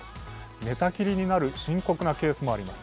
寝たきりになる深刻なケースもあります。